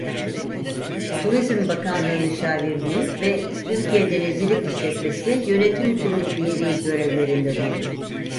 Turizm Bakanlığı Müşavirliği ve Türkiye Denizcilik İşletmesi Yönetim Kurulu Üyeliği görevlerinde bulundu.